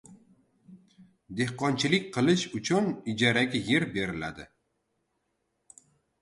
Dehqonchilik qilish uchun ijaraga yer beriladi